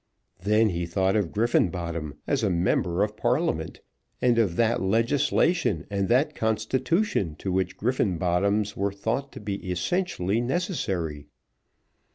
Then he thought of Griffenbottom as a member of Parliament, and of that Legislation and that Constitution to which Griffenbottoms were thought to be essentially necessary.